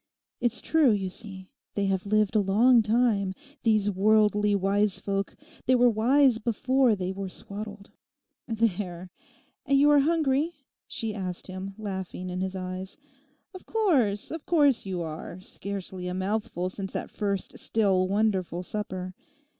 It's true, you see, they have lived a long time; these Worldly Wisefolk they were wise before they were swaddled.... 'There, and you are hungry?' she asked him, laughing in his eyes. 'Of course, of course you are—scarcely a mouthful since that first still wonderful supper.